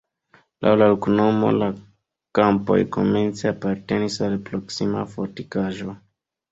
Laŭ la loknomo la kampoj komence apartenis al proksima fortikaĵo.